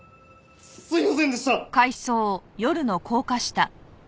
すいませんでした！